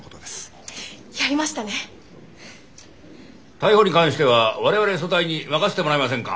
逮捕に関しては我々組対に任せてもらえませんか。